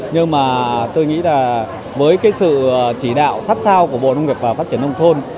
nhưng mà tôi nghĩ là với cái sự chỉ đạo sát sao của bộ nông nghiệp và phát triển nông thôn